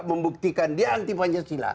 membuktikan dia anti pancasila